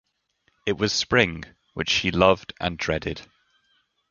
It was spring, which she loved and dreaded.